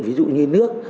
ví dụ như nước